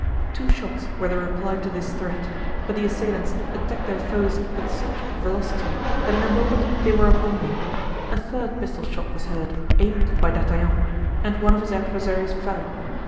Two shots were the reply to this threat; but the assailants attacked their foes with such velocity that in a moment they were upon them; a third pistol shot was heard, aimed by D'Artagnan, and one of his adversaries fell.